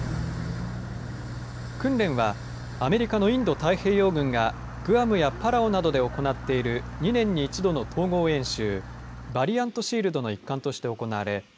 訓練はアメリカのインド太平洋軍がグアムやパラオなどで行っている２年に一度の統合演習バリアント・シールドの一環として行われ